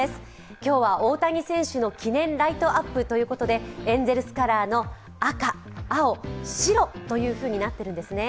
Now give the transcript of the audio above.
今日は大谷選手の記念ライトアップということでエンゼルスカラーの赤・青・白となっているんですね。